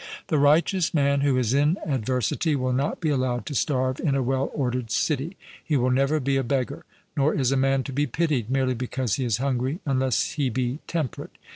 The righteous man who is in adversity will not be allowed to starve in a well ordered city; he will never be a beggar. Nor is a man to be pitied, merely because he is hungry, unless he be temperate.